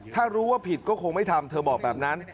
ถ้ารู้ว่าผิดก็คงไม่ทำเธอบอกแบบนั้น